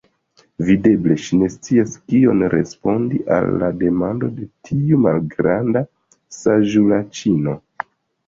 Videble ŝi ne scias, kion respondi al la demando de tiu malgranda saĝulaĉino.